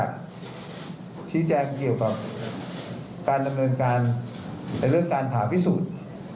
ชี้แจงเกี่ยวกับการดำเนินการในเรื่องการผ่าพิสูจน์